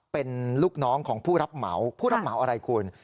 เป็นลูกน้องของผู้รับเหมาผู้รับเหมาอะไรคุณ